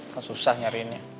kan susah nyariinnya